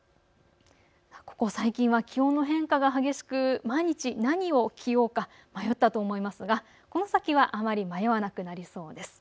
ここ最近は気温の変化が激しく毎日、何を着ようか、迷ったと思いますが、この先はあまり迷わなくなりそうです。